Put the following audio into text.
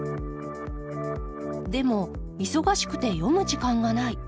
でも忙しくて読む時間がない。